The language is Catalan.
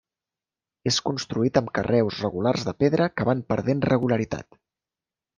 És construït amb carreus regulars de pedra que van perdent regularitat.